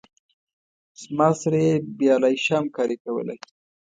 زما سره یې بې آلایشه همکاري کوله.